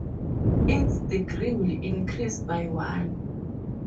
Its degree will increase by one.